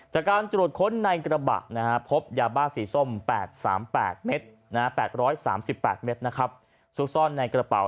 จากการตรวจค้นในกระบะพบยาบ้าสีส้ม๘๓๘เม็ด๘๓๘เมตรนะครับซุกซ่อนในกระเป๋า